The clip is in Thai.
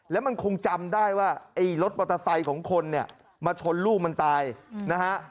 แล้วมันคงจำได้ว่าไอ้รถมอเตอร์ไซค์ของคนเนี่ยมาชนลูกมันตายนะฮะ